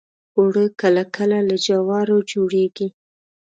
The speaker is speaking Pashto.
اوړه کله کله له جوارو جوړیږي